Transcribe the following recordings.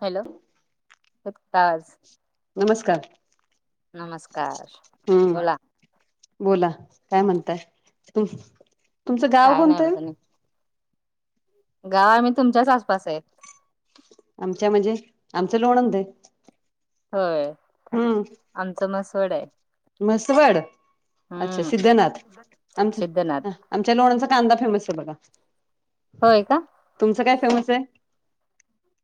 हॅलोताज नमस्कार. नमस्कार हम्म बोला बोला काय म्हणताय तु तुमचं गाव काय नाही कोणतं आहे बघ गाव आम्ही तुमच्याच आसपास आहे आमच्या म्हणजे आमचं लोणंद होय आमचं मसवड आहे हम्म मसवड अच्छा सिद्धनाथ हम्म आमच सिद्धनाथ आमच्या लोणांचा कांदा फेमस आहे बघा होय का तुमचं काय फेमस आहे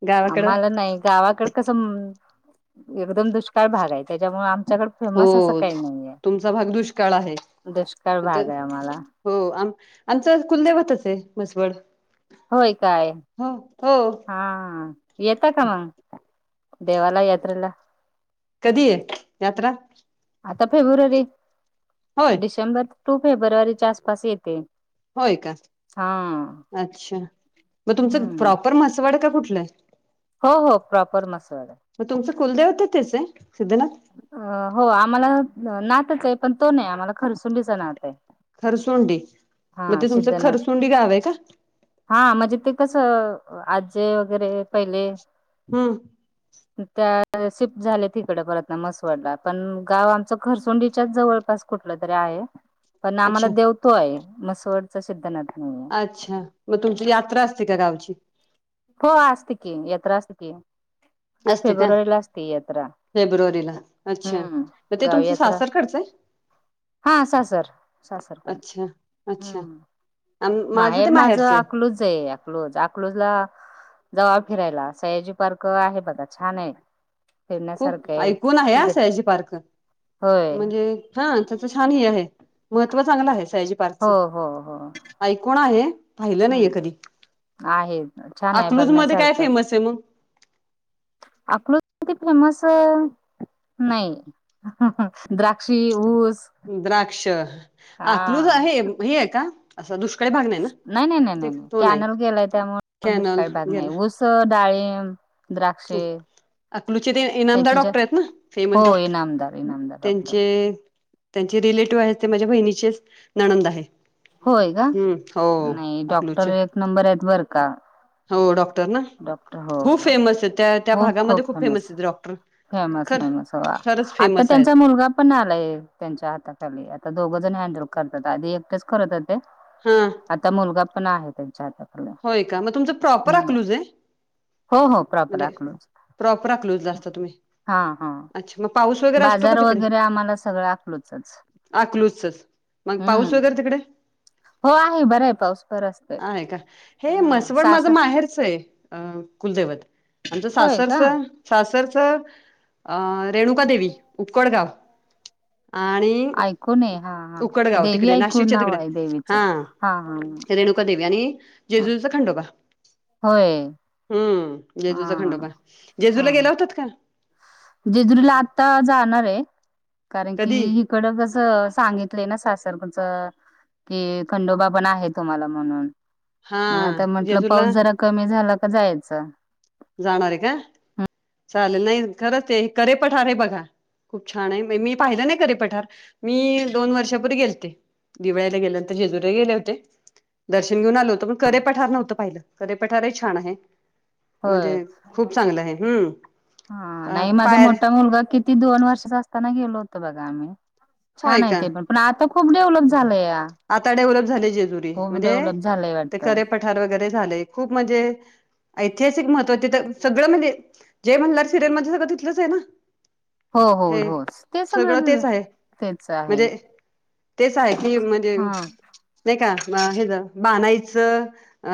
गावाकडं आम्हाला नाही गावाकड कसं एकदम दुष्काळ भाग आहे त्याच्यामुळे आमच्याकड हो तुमचा भाग दुष्काळ आहे दुष्काळ तर भाग आहे आम्हाला हो आम आमचं कुलदेवतच आहे म्हसवड होय काय हो हो हा येत का मग देवाला यात्रेला कधी आहे यात्रा. आता फेब्रुवारी होय डिसेंबर टू फेब्रुवारीच्या आसपास येते. होय का हा अच्छा मग तुमचं हम्म प्रॉपर म्हसवाड का कुठलं आहे हो हो प्रॉपर म्हसवड मग तुमचे कुलदेवते त्याचे सिद्धनाथ अ हो आम्हाला नातच आहे पण तो नाही आम्हाला खरसुंडीचा नात आहे खरसुंडी मग हा ते तुमचं सिद्धनाथ खरसुंडी गाव आहे का हा म्हणजे ते कसं आजे वगैरे पहिले. हम्म त्या शिफ्ट झाल्या तिकड परत ना मसवडला पण गाव आमच खरसुंडीच्याच जवळपास कुठलं तरी आहे पण आम्हाला अच्छा देवतो आहे म्हसवडचा सिद्धनाथ नाही अच्छा मग तुमची यात्रा असते का गावची. हो असत की यात्रा असते की असते का फेब्रुवारीला असते यात्रा फेब्रुवारीला अच्छा हम्म. म ते गाव तुमचं यात्रा सासर खडचंय हा सासर सासर कडच अच्छा अच्छा हम्म आम- माझं ते माहेर माझ माहेरचं आहे अकलूज आहे अकलोज अकलोजला जवळ फिरायला सयाजी पार्क आहे बघा छान आहे. फिरण्यासारखं खूप आहे ऐकून आहे सयाजी पारकर होय म्हणजे हा त्याचं छान ह आहे महत्त्व चांगलं आहे सायजी पार्क हो हो हो. ऐकण आहे पाहिलं नाहीे हम्म कधी आहे छान आहे अकलूज मध्ये काय बघण्यासारखं फेमस आहे मग अकलू किती फेमस नाही द्राक्षी ऊस द्राक्ष आकलूज हा आहे हे का अस दुष्काळी भाग. नाही नाही नाही ते नाही नाही तो कॅनल केलाय त्यामुळे कॅनल दुष्काळी भाग नाही गेला ऊस डाळीम. द्राक्षे अकलूचे ते इनामदार त्याचीच्या डॉक्टर आहेत ना फेमस हो डॉक्टर इनामदार इनामदार डॉक्टर त्यांचे त्यांचे रिलेटिव्ह आहे ते माझ्या बहिणीचेच नणंद आहे होय का हम्म हो नाही डॉक्टर अकलूचे एक नंबर आहेत बर का हो डॉक्टर ना डॉक्टर हो खूप हो फेमस आहे त्या त्या भागामध्ये खूप फेमस आहे डॉक्टर फेमस खर फेमस खरंच आता फेमस आहेत त्यांचा मुलगा पण आलाय त्यांच्या हाताखाली आता दोघं जण हँडल करतात आधी एकटेच करत होते हा आता मुलगा पण आहे त्यांच्या हातात. होय का मग तुमचं प्रॉपर आकलूज आहे हो हो प्रॉपर म्हणजे अकलूज प्रॉपर अक्लूजला असता तुम्ही. हा हा अच्छा मग पाऊस वगैरे असतो का बाजार वगैरे आम्हाला सगळं अकलूजच. अकलूजच मग पाऊस हम्म वगैरे तिकडे? हो आहे बर आहे. पाऊस पर असते आहेय का हे हा म्हसवड माझं सासर माहेरच आहे. अ कुलदैवत आमचं होय सासरच. का सासरचं अ रेणुका देवी उटकड गाव आणि ऐकूनये हा हा उकडगाव देवी तिकडे ऐकू नाशिकच्या नाव आहे देवीच हा हा. हे रेणुका देवी आणि जेजुरीचा खंडोबा. हे. हम्म जेजूरचा खंडोबा हा जेजूरला हा. गेल्या होतात का जेजुरीला आता जाणार आहे कारण कधी की कडं कसं सांगितलंय ना सासर कुचं. कि खंडोबा पण आहे तुम्हाला म्हणून हा मग आता म्हंटलं पाऊस जेजूला जरा कमी झाला का जायचं. जाणार आहे का चालेल नाही खरंच आहे करेपठारे बघा. खूप छान आहे मी पाहिलं नाही करे पठार मी दोन वर्षापूर्वी गेलते. दिवाळायाला गेल्यानंतर जेजूरे गेले होते. दर्शन घेऊन आलो होतंण करे पठार नव्हतं पहिलं करेपठारही छान आहे. होय म्हणजे खूप चांगलं आहे हम्म हा नाही माझा पायर मोठा मुलगा किती त दोन वर्ष असताना गेलो होतं बघा आम्ही होय छान आहे का ते पण. पण आता खूप डेव्हलप झालंय या आता डेव्हलप झाले जेजुरी खूप म्हणजे डेव्हलप झालंय ते वाटत. करे वगैरे झाले खूप म्हणजे ऐतिहासिक महत्त्वा ते तर सगळं म्हणजे जय मण्हार सिरियल मध्ये सगळं तिथलंच आहे ना. हो हो हे होच ते सगळं सगळ तेच आहे तेच आहेत. म्हणजे तेच आहे की म्हणजे नाही का हेज बाणाईच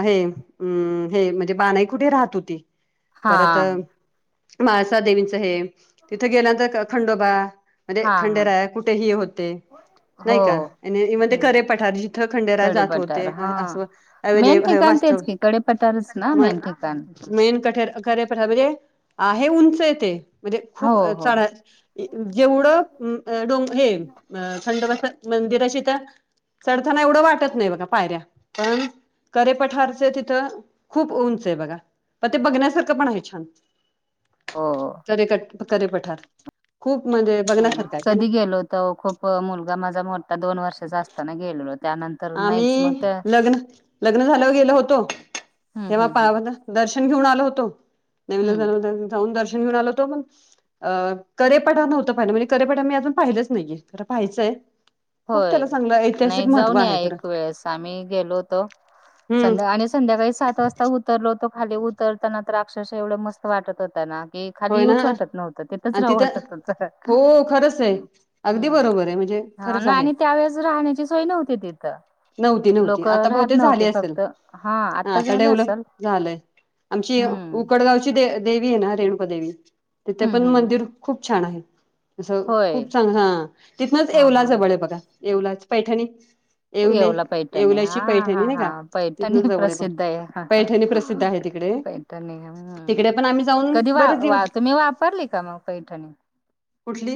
हे अम् हे म्हणजे बानाई कुठे राहत होती. हा परत माळसा देवीच हे तिथं गेल्यानंतर खंडोबा हा म्हणजे हा खंडेराय कुठेही होते. नाही हो. का म्हण ते हम्म करे पठार जिथं खंडेरा कडी जात पटार होते हा अस अ म्हणजे मेन ठिकाण वास्तव तेच की कडेपटारच ना मेन ठिकाण मेन [unintelligible] म्हणजे आहे उंच ते. म्हणजे हो हो. खूपढ जेवढं डोंग हे थंडस. मंदिराशी तर चढताना एवढं वाटत नाही बघा पायऱ्या पण करे पठारच तिथं खूप उंच आहे बघा प ते बघण्यासारखं पण आहे छान. [inaudible] हो हो. करे करेपठार खूप म्हणजे हम बघण्यासारखं आहे ना कधी गेलो होतो खूप मुलगा माझा मोठा दोन वर्षाचा असताना गेलेलो. त्यानंतर नाहीच मग आम्ही त्या लग्न लग्न झाल्यावर गेलो होतो हम्म तेव्हा हम्म पा हम्म दर्शन घेऊन आलो होतो हम्म नेवी जाऊन दर्शन घेऊन आलो होतो पण अ कडेपठार नव्हत पाहिलं म्हणजे कडेपठार मी अजून पाहिलंच नाहीये खर पाहायचंय. खूप होय. त्याला चांगलं ऐतिहासिक नाही महत्व जाऊन या आहे. खरं एक वेळेस आम्ही गेलो होतो हम्म संध्या आणि संध्याकाळी सात वाजता हो उतरलोतो खाली उतरताना तर अक्षश एवढ मस्त वाटत होताना की खाली होय ना येऊच वाटत नव्हतं तेथच आणि राव तिथं वाटत नत हो खरंच आहे अगदी हम्म. बरोबर आहे म्हणजे हा खरंच आहे आणि त्यावेेळेस राहण्याची सोय नव्हती तिथं. नव्हती नव्हती लोक आता राहत बहुतेच झाली नव्हते असेल फक्त हा आता झालं डेव्हलप असेल झालंय. आमची हम्म उकड वडगावची दे देवी आहे ना रेणुका देवी तिथे हम्म हम्म पण हम्म. मंदिर खूप छान आहे. असं होय खूप चांग हा तिथनंच हा येवला हा हा जवळ आहे बघा येवला पैठणी. येवले येवला पैठणी येवल्याची हा पैठणी हा नाही हा का तिथनं पैठणी जवळ आहे बघ प्रसिद्ध आहे. पैठणी प्रसिद्ध आहे तिकडे पैठ नाही तिकडे पण आम्ही जाऊन कधी. वा बरेच वा दिवस तुम्ही वापरली का मग पैठणी कुठली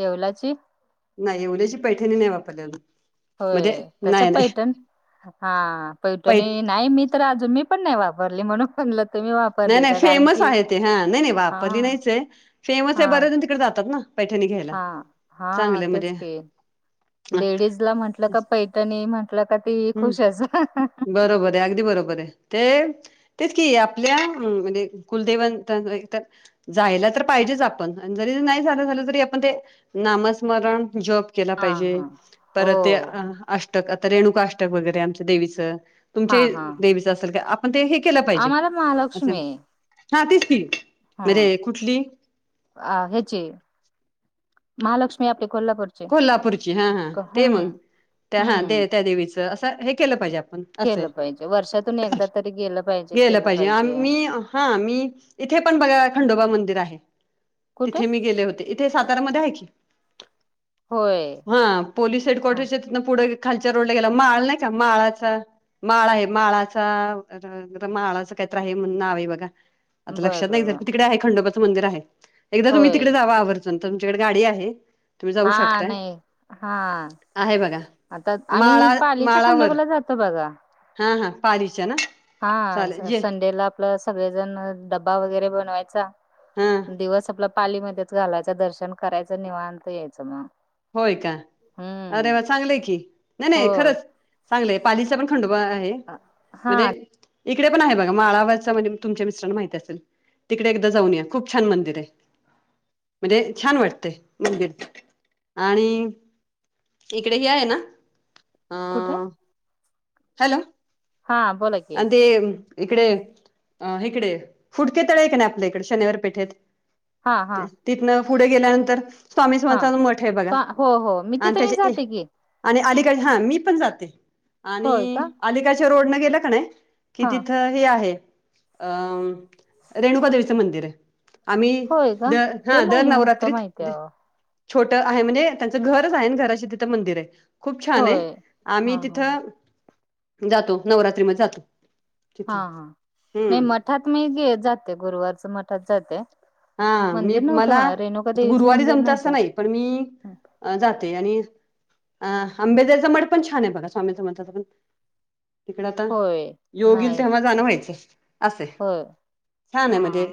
येवलाची नाही एवढ्याची पैठणी नाही वापरल्या होय तस पैठण हा पै पैठणी नाही मी तर अजून मी पण नाही वापरली म्हणूनलं तुम्ही नाही वापरली नाही का कारण फेमस की आहे ते हा नाही हा नाही [unintelligible] नाहीच आहे फेमस आहे बरेचजण तिकडे जातात ना पैठणी घ्यायला हा हा हा हा चांगलं तेच म्हणजे की लेडीज ला म्हटल का पैटणी म्हंटलं का ते खुश हम्म आहे बरोबर आहे अगदी बरोबर आहे ते तेच कि आपल्या म्हणजे कुलदेवन तर.. जायला तर पाहिजेच आपण जरी नाही झा झालं तरी आपण ते नामस्मरण जप केला हा पाहिजे हा हो परत ते अ अष्टक आता रेणुका अष्टक वगैरे आमच्या देवीचं तुमच्या हा हा देवीचं असेल का पण ते हे केलं पाहिजे आम्हाला असं महालक्ष्मी हा तीच ती म्हणजे कुठली अ ह्याचे महालक्ष्मी आपले कोल्हापूर कोल्हापूरची हा हा ते मग त्या हा हम्म दे त्या देवीचं असं हे केलं पाहिजे आपण असं केलं पाहिजे वर्षातून एकदा तरी गेलं पाहिजे गेला केलं पाहिजे मी हा मी.. इथे पण बघा खंडोबा मंदिर आहे कुठे तिथे मी गेले होते इथे सातारामध्ये आहे की होय हा पोलीस हा हेडक्टरसच्या तिथं पुढे खालच्या रोडला गेला माळ नाही का माळाचा माळ आहे माळाचा [unintelligible] माळाच काहीतर आहे म्हणून नाव आहे बघा बर आता लक्षात नाही बर जर बर. क तिकडे आहे खंडोबाचं मंदिर आहे. एकदा तुम्ही होय तिकडे जावा आव र तुमच्याकडे गाडी आहे तुम्ही जाऊ शकता हा नाही हा आता आम्ही माळा पालीच्या माळावर खंडोबाला जातो बघा हा हा पाच ना चालेल हा जे संडेला आपलं सगळेजण डब्बा वगैरे बनवायचा हा दिवस आपला पालीमध्येच घालायचा दर्शन करायचं निवांत यायचं मग होय का हम्म अरे म चांगलंय की नाही हो नाही खरंच चांगलंय पालीचा पण खंडोबा आहे म्हणजे हा इकडे पण आहे बघा माळावरचं म्हणजे तुमच्या मिस्टरांना माहती असेल तिकडे एकदा जाऊन या खूप छान मंदिर आहे म्हणजे छान वाटतय मंदिर आणि इकडे हि आहे. ना अ कुठे हॅलो हा बोला की आणि ते इकडे अ इकडे फुडके तळे आहे का नाही आपल्या इकडे शनिवार पेठेत. हा हा तिथन पुढे गेल्यानंतर स्वामी हा संवथला मोठ आहे बघा हो हो मी आणि तिथे मी त्याच्या जाते की आणि अलीगड हा मी पण जाते आणि होय का अलीकच्या रोड न गेला का नाही कि हा तिथं हे आहे अं रेणुकादेवीचं मंदिर आहे. आम्ही होय द का ते हा दर नाही होत नवरात्रीत माहिती आहे. छोटं आहे म्हणजे त्यांचं घरचं आहे आणि घराशी तिथं मंदिर आहे खूप छान आहे होय आम्ही हा हा तिथं जातो नवरात्रीमध्येध्ये जातो हा तिथे हा नाही हम्म. मठात मीे जाते गुरुवारच मठात जाते. हा मी मंदिर नव्हतं मला म रेणुका देवीचं गुरुवारी मंदिर जमत असं नव्हतं नाही पण मी हं. जाते. आणि अ आंबेदरचं मठ पण छान आहे बघा स्वामी समर्थांचा पण तिकडे आता होय योगईल नाही तेव्हा जाणं व्हायचं असे होय छान हा आहे मध्ये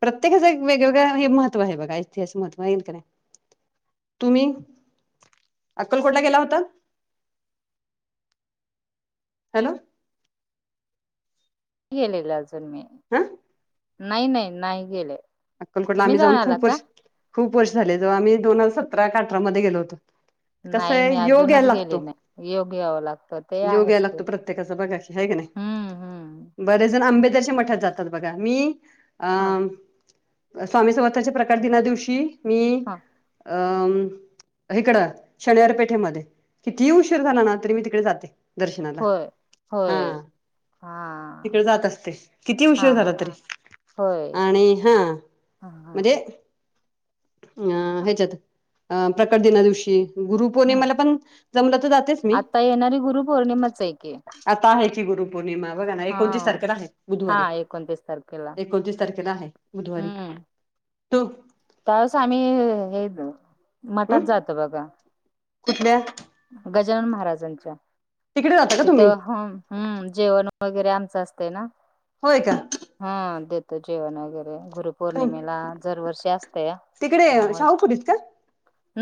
प्रत्येकाच एक वेगवेगळा हे महत्व आहेघा इतिहास महत्व येईल का नाही तुम्ही अक्कलकोटला गेला होता? हॅलो! केलेला सल मी. हा! नाही, नाही, नाही गेले. अक्कलकोटला तुम्ही आम्ही जाऊन आला खूप का? वर्ष खूप वर्ष झाले. जव्हा आम्ही दोन हजार सतरा का‌ अठरामध्ये गेलो होतो. नाही कसाय मी अजूनच योग्यायला लागतो, गेले नाही. योग यावं लागतं ते योग्या आहेच की. लागतो प्रत्येकाचा बघाकि हे का नाही. हम्म हम्म. बरेच जण आंबेदरच्या मठात जातात बघा, मी अ हां स्वामी समर्थाच्या प्रकार दिना दिवशी मी हां. अं इकड शनियार पेठेमध्ये कितीही उशीर झाला ना तरी मी तिकडे जाते. दर्शनाला हा. हा. तिकडे जात असते, किती उशीर झाला तरी आणि हा हा, म्हणजे हा. अ ह्याच्यात अ प्रकट दिना दिवशी गुरु हं. पौर्णिमाला पण जमला तर जातेच मी. आता येणारी गुरुपौर्णिमाच आहे की. आता आहे की गुरुपौर्णिमा बघा ना एकोनतिस हां. तारखेला आहे बुधवारी. हां. एकोणतीस तारखेला. एकोणतीस तारखेला आहे बुधवारी त त्यावस आम्ही हे मठात हम् जातो बघा. कुठल्या? गजानन महाराजांच्या तिकडे जाता का तुम्ही तिथं हा हम्म, जेवण वगैरे आमचं असते ना. होय का. हा देतो जेवण वगैरे गरुप पौर्णिमेला दरवर्षी असतेया तिकडे त्यामुळे शाहूपुरीत का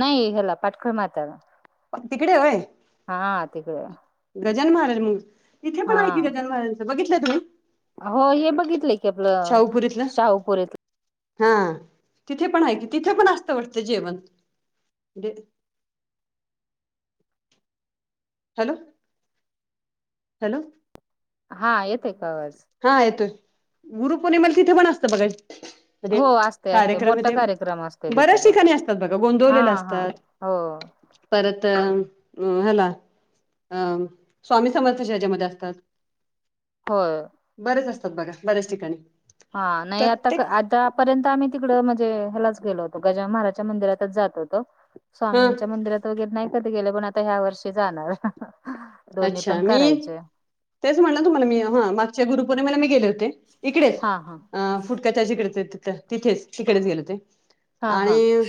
नाही हला पाटकळ मातार पण तिकडे आहेय. हा आ तिकडे. गजानन महाराज म्हणून तिथे पण आहे की गजन महाराज बघितलं तुम्ही. अ हो हे बघितलंय क शाहूपुरीतलं. हा तिथे पण आहे कि, तिथे पण असतं वाटत जेवण. हॅलो! हॅलो! हा येते का आवाज? हा येतोय गुरुपौर्णिमेला तिथे पण असतं बघा. हो असतय असतय कार्यक्रम आहे मोठा ते कार्यक्रम असतोय तिथं बऱ्याच पण ठिकाणी असतात बघा हा गोंदवलेला हा असतात. हो परत अ हला अ स्वामी समर्थच्यामध्ये असतात. होय. बरेच असतात बघा बऱ्याच ठिकाणी. हा नाही आता, प्रत्येक आता पर्यंत आम्ही तिकडं म्हणजे ह्याच गेलो होतो, गजान महाराजच्या मंदिरातच जात होतो. हा स्वामींच्या मंदिरात वगैरे नाही कधी गेले पण आता ह्या वर्षी जाणार. दोन्ही अच्छा! पण मी करायचे तेच म्हणल तुम्हाला मी हा मागच्या गुरुपौर्णिमेला मी गेले होते. इकडेच हा हा अ फुटक त्याजिकडे तिथेच तिकडेच गेलो होते. हा हा आणि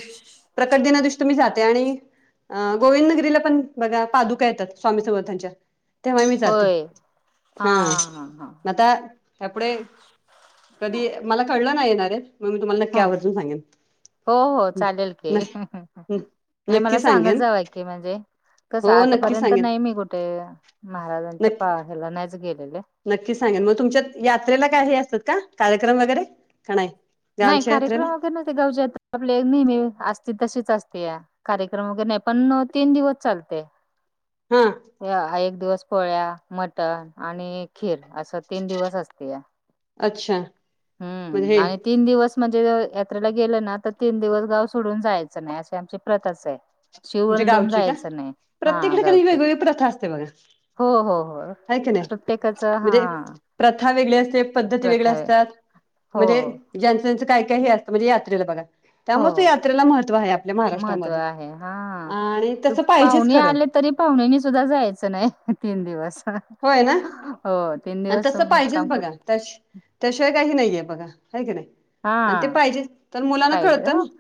प्रकट दिना दिशी तुम्ही जाते, आणि अ गोविंदनगरीला पण बघा पादुका येतात स्वामी समर्थांच्या. तेव्हा मी जाते. होय हा हा हा आता त्यापुढे कधी मला कळलं नाही येणारे मग मी तुम्हाला नक्की हा आवर्जून सांगेन. हो हो चालेल की नाही ह नाही नक्की मला सांगत सांगेन जाव की म्हणजे कसं हो नक्की आतापर्यंत सांगेन नाही मी कुठे महाराजांच्या नक्की पा हला नाहीच गेलेले. नक्की सांगेन मग तुमच्या यात्रेला काय हे असतात का कार्यक्रम वगैरे का नाही. नाही गावच्या यात्रेला कार्यक्रम वगैरे नते गावच्या आपले नेहमी असते तसेच असते या कार्यक्रम वगैरे नाही पण तीन दिवस चालते. हा एक दिवस पोळ्या मटण आणि अर अस तीन दिवस असते अच्छा म्हणजे हम् हे आणि तीन दिवस म्हणजे यात्रेला गेलं ना तर तीन दिवस गाव सोडून जायचं नाही अशी आमची प्रथच आहे. तुमच्या शिवणडोून गावची का? जायचं नाही हा प्रत्येकाकडे कणी गावचे वेगवेगळी प्रथा असते बघा हो हो हो हाय की नाही प्रत्येकाच हा म्हणजे प्रथा वेगळी असते पद्धती वेगळे प्रथा आहे असतात हो म्हणजे ज्यांचं त्यांचं काही काही हे असतं म्हणजे यात्रेला बघा हो त्यामुळे यात्रेला महत्त्व आहे आपल्या महत्त्व महाराष्ट्रामध्ये आहे हा आणि त तसं पाहिजेच पाहुणे खरं आले तरी पाहुण्यानी सुद्धा जायचं नाही तीन दिवस होय ना हो तीन आणि दिवस तसं मग काम पाहिजेच बघा करते. त्याशिवाय काही नाहीये बघा आहे की नाही हा आणि ते पाहिजे तर मुलांना पाहिजे कळतं हो ना.